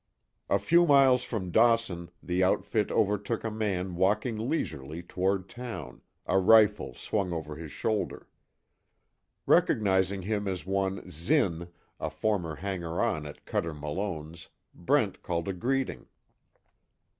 A few miles from Dawson, the outfit overtook a man walking leisurely toward town, a rifle swung over his shoulder. Recognizing him as one Zinn, a former hanger on at Cuter Malone's, Brent called a greeting.